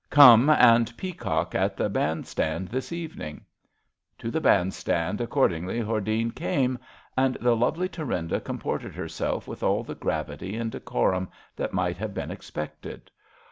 Come and peacock at the band stand this evening." To the band stand ac 136 ABAFT THE FUNNEL cordingly Hordene came, and the lovely Thunnda comported herself with all the gravity and de corum that might have been expected.